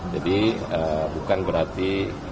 jadi bukan berarti